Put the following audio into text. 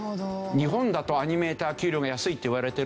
日本だとアニメーター給料が安いって言われてるでしょ。